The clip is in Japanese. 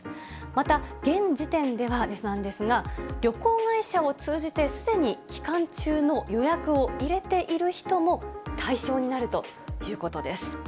また、現時点ではなんですが、旅行会社を通じてすでに期間中の予約を入れている人も対象になるということです。